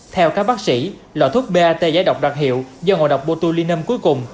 theo các bác sĩ lọ thuốc bat giải độc đoạt hiệu do ngộ độc botulinum cuối cùng